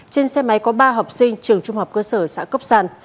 trên xe máy có ba học sinh trường trung học cơ sở xã cốc sàn